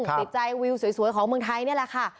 ติดใจวิวสวยของเมืองไทยนี่แหละค่ะ